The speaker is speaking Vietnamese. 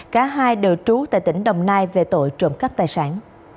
cả hai đều trú tại tỉnh đồng nai về tội trộm cắp tài sản